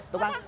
tukang kopi ya